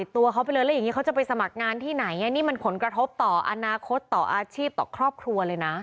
ต่ออนาคตต่ออาชีพต่อครอบครัวเลยนะ